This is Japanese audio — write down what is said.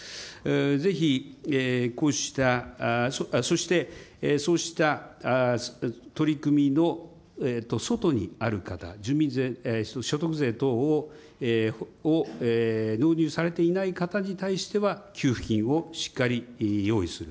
ぜひこうした、そしてそうした取り組みの外にある方、住民税、所得税等を納入されていない方に対しては、給付金をしっかり用意する。